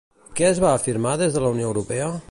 Què es va afirmar des de la Unió Europea?